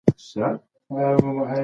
آيا ته د دې جملې په مانا پوهېږې؟